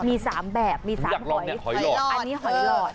มี๓แบบมี๓หอยอันนี้หอยหลอด